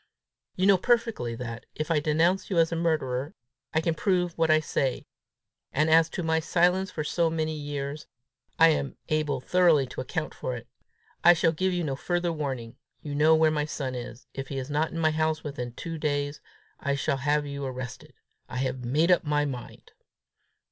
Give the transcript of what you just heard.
You know perfectly that, if I denounce you as a murderer, I can prove what I say; and as to my silence for so many years, I am able thoroughly to account for it. I shall give you no further warning. You know where my son is: if he is not in my house within two days, I shall have you arrested. _I have made up my mind.